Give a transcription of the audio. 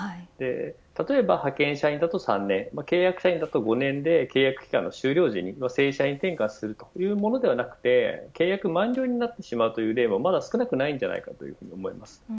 例えば派遣社員だと３年契約社員は５年で契約期間終了時に正社員転換するというものではなく契約満了になってしまう例もまだ少なくないと思います。